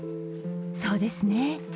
そうですね。